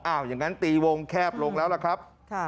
อย่างนั้นตีวงแคบลงแล้วล่ะครับ